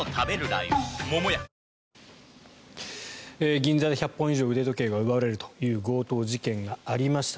銀座で１００本以上腕時計が奪われる強盗事件がありました。